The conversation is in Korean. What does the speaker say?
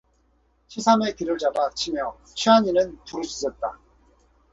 치삼의 귀를 잡아 치며 취한 이는 부르짖었다.